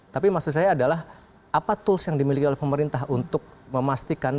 tapi maksud saya adalah apa tools yang dimiliki oleh pemerintah untuk memastikan